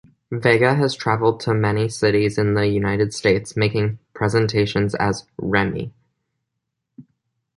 Vega has traveled to many cities in the United States making presentations as "Remi".